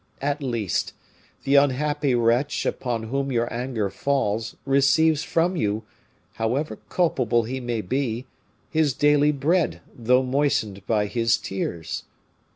At least, the unhappy wretch upon whom your anger falls receives from you, however culpable he may be, his daily bread though moistened by his tears.